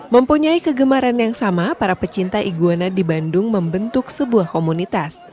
mempunyai kegemaran yang sama para pecinta iguana di bandung membentuk sebuah komunitas